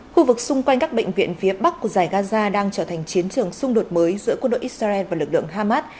khu vực xung quanh các bệnh viện phía bắc của giải gaza đang trở thành chiến trường xung đột mới giữa quân đội israel và lực lượng hamas